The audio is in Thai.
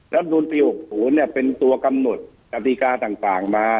รับโน้นปี๖๐เนี่ยเป็นตัวกำหนดกฎภิกาต่างมา